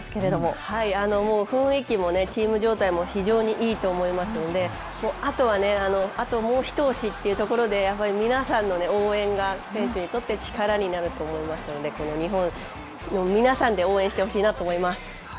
雰囲気もチーム状態も非常にいいと思いますのであともう一押しというところで皆さんの応援が選手にとって力になると思いますので日本の皆さんで応援してほしいなと思います。